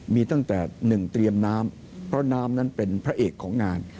มีตั้งแต่หนึ่งเตรียมน้ำเพราะน้ำนั้นเป็นพระเอกของงาน